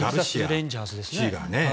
レンジャーズですね。